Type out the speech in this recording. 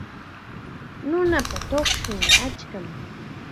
Nunapa tuqshunqa achkam.